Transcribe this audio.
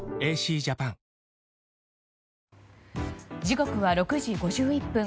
時刻は６時５１分。